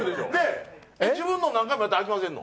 自分のを何回もやったらあきませんの？